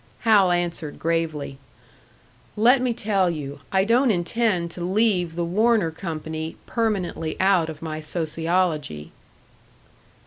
Hal answered, gravely, "Let me tell you, I don't intend to leave the Warner Company permanently out of my sociology."